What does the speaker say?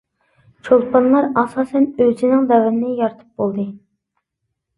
چولپانلار ئاساسەن ئۆزىنىڭ دەۋرىنى يارىتىپ بولدى.